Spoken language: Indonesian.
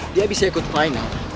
dia bisa ikut final